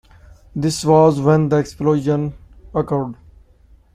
This was when the explosion occurred.